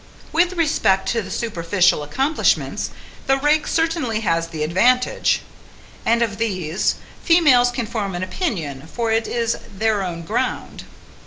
With respect to superficial accomplishments, the rake certainly has the advantage; and of these, females can form an opinion, for it is their own ground.